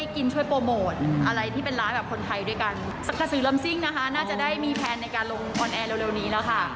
กระสือลำซิ่งนะคะน่าจะได้มีแพนในการลงออนแอร์เร็วนี้แล้วค่ะ